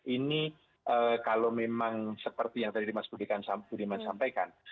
ini kalau memang seperti yang tadi mas budiman sampaikan